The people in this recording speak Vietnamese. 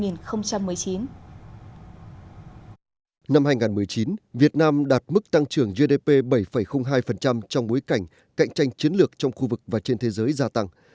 năm hai nghìn một mươi chín việt nam đạt mức tăng trưởng gdp bảy hai trong bối cảnh cạnh tranh chiến lược trong khu vực và trên thế giới gia tăng